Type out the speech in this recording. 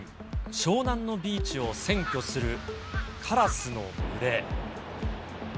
湘南のビーチを占拠するカラスの群れ。